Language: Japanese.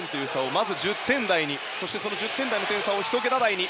まず１０点台に１０点台の点差を１桁台に。